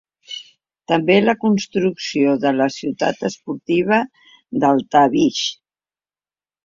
També la construcció de la Ciutat Esportiva d'Altabix.